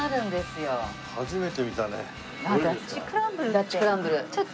ダッチクランブルだって。